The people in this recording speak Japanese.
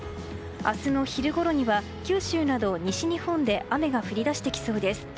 明日の昼ごろには九州など西日本で雨が降り出してきそうです。